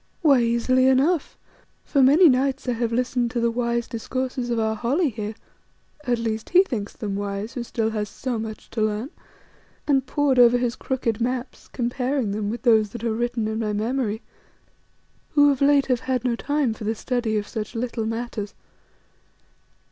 Why, easily enough. For many nights I have listened to the wise discourses of our Holly here, at least he thinks them wise who still has so much to learn, and pored over his crooked maps, comparing them with those that are written in my memory, who of late have had no time for the study of such little matters.